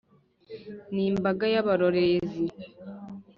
. N’imbaga y’abarorerezi.